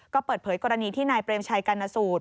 ก็เปิดเผยกรณีที่นายเปรมชัยกรณสูตร